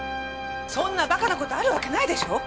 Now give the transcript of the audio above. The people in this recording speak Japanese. そんなバカな事あるわけないでしょう！？